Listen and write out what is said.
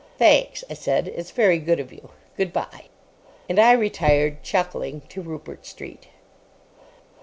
"Thanks," I said; "it's very good of you. Good bye." And I retired, chuckling, to Rupert Street.